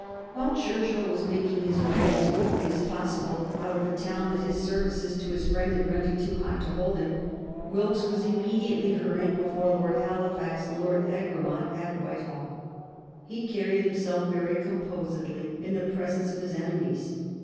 While Churchill was making his way as quickly as possible out of a town that his services to his friend had rendered too hot to hold him, Wilkes was immediately hurried before Lord Halifax and Lord Egremont at Whitehall. He carried himself very composedly in the presence of his enemies.